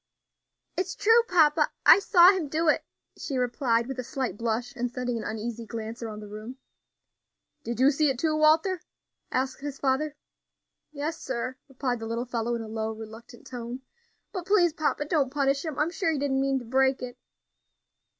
"It is true, papa, I saw him do it," she replied, with a slight blush, and sending an uneasy glance around the room. "Did you see it, too, Walter?" asked his father. "Yes, sir," replied the little fellow, in a low, reluctant tone; "but please, papa, don't punish him. I'm sure he didn't mean to break it."